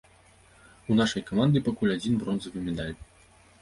У нашай каманды пакуль адзін бронзавы медаль.